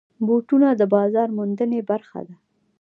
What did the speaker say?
بوټونه د بازار موندنې برخه ده.